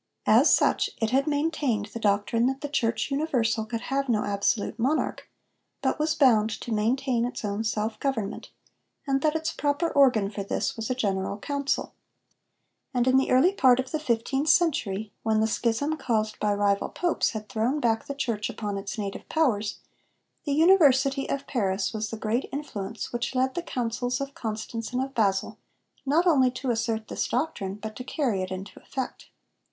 As such it had maintained the doctrine that the church universal could have no absolute monarch, but was bound to maintain its own self government, and that its proper organ for this was a general council. And in the early part of the fifteenth century, when the schism caused by rival Popes had thrown back the Church upon its native powers, the University of Paris was the great influence which led the Councils of Constance and of Basle, not only to assert this doctrine, but to carry it into effect.